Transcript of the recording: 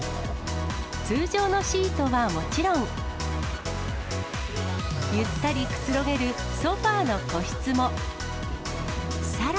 通常のシートはもちろん、ゆったりくつろげるソファの個室も。